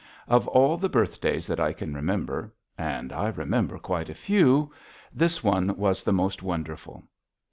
Of all the birthdays that I can remember and I remember quite a few this one was the most wonderful.